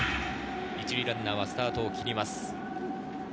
１塁ランナーはスタートを切ります。